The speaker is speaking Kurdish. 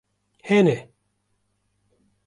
Hene